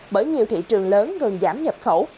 bởi nhiều thị trường lớn gần giảm nhập khẩu